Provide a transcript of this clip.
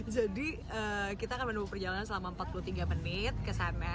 jadi kita akan menunggu perjalanan selama empat puluh tiga menit ke sana